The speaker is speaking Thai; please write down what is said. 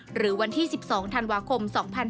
หรือวันที่๑๒ธันวาคม๒๕๕๙